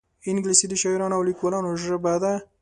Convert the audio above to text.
انګلیسي د شاعرانو او لیکوالانو ژبه ده